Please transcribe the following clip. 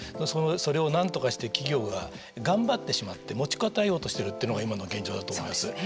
それを何とかして企業が頑張ってしまって持ちこたえようとしているというのが今の現状だと思うんですね。